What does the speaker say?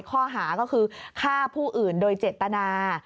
ข้อหาก็คือฆ่าผู้อื่นโดยเจตนา